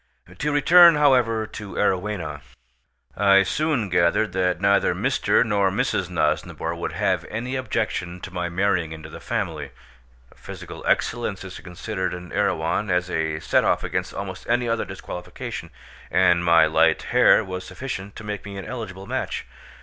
To return, however, to Arowhena. I soon gathered that neither Mr. nor Mrs. Nosnibor would have any objection to my marrying into the family; a physical excellence is considered in Erewhon as a set off against almost any other disqualification, and my light hair was sufficient to make me an eligible match.